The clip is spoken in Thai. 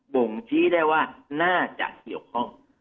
บ่งชี้ได้ว่าน่าจะเกี่ยวข้อง